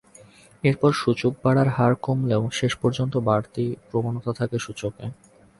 এরপর সূচক বাড়ার হার কমলেও শেষ পর্যন্ত বাড়তি প্রবণতা থাকে সূচকে।